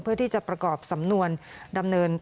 เพื่อที่จะประกอบสำนวนดำเนิน